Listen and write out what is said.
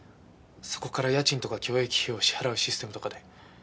そこから家賃とか共益費を支払うシステムとかで。